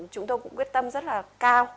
chúng tôi cũng quyết tâm rất là cao